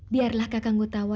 biarlah kakak gotawa